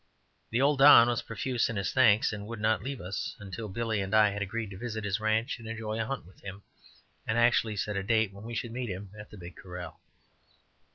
The old Don was profuse in his thanks, and would not leave us until Billy and I had agreed to visit his ranch and enjoy a hunt with him, and actually set a date when we should meet him at the big corral.